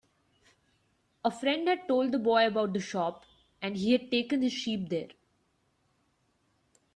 A friend had told the boy about the shop, and he had taken his sheep there.